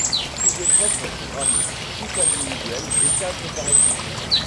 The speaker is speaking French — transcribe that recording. Dix épreuves sont programmées, six individuelles et quatre par équipes.